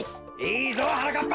いいぞはなかっぱ！